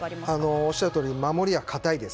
おっしゃるとおり守りは堅いです。